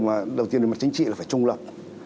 mà đầu tiên về mặt chính trị là phải trung lập